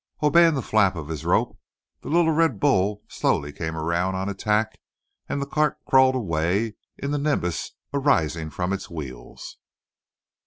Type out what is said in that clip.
Obeying the flap of his rope, the little red bull slowly came around on a tack, and the cart crawled away in the nimbus arising from its wheels.